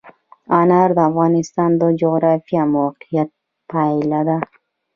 انار د افغانستان د جغرافیایي موقیعت پایله ده.